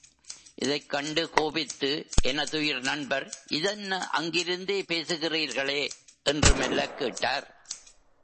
இதைக் கண்டு கோபித்து எனதுயிர் நண்பர் இதென்ன அங்கிருந்தே பேசுகிறீர்களே! என்று மெல்லக் கேட்டார்.